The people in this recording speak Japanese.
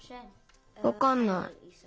わかんない。